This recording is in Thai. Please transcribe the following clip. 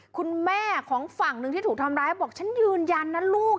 คุณแม่ของฝั่งหนึ่งที่ถูกทำร้ายบอกฉันยืนยันนะลูก